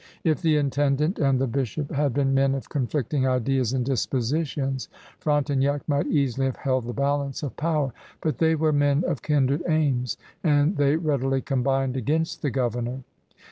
If the intendant and the bishop had been men of conflicting ideas and dispositions, Frontenac might easily have held the balance of power; but they ware men of kindred aims, and they readily combined against the governor.